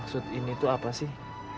sut ini tuh apa sih